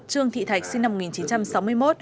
trương thị thạch sinh năm một nghìn chín trăm sáu mươi một